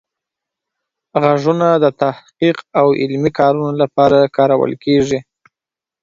غږونه د تحقیق او علمي کارونو لپاره کارول کیږي.